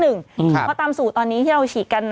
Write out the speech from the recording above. เพราะตามสูตรตอนนี้ที่เราฉีดกัน